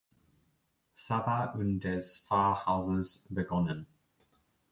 Sava und des Pfarrhauses begonnen.